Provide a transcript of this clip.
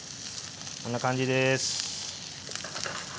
こんな感じです。